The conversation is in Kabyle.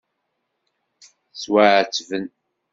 Ttwaɛettben.